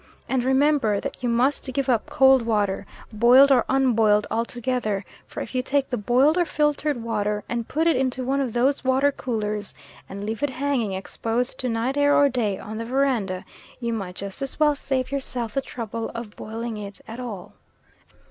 And remember that you must give up cold water, boiled or unboiled, altogether; for if you take the boiled or filtered water and put it into one of those water coolers, and leave it hanging exposed to night air or day on the verandah, you might just as well save yourself the trouble of boiling it at all.